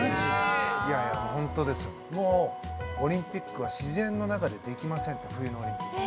もうオリンピックは自然の中でできませんって冬のオリンピック。